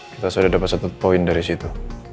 kita sudah dapat satu poin dari situ